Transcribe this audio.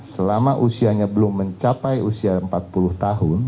selama usianya belum mencapai usia empat puluh tahun